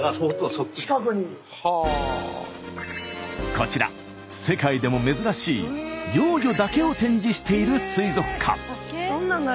こちら世界でも珍しい幼魚だけを展示している水族館。